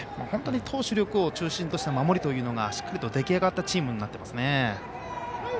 本当に投手力を中心とした守りというのが出来上がったチームになっていますね。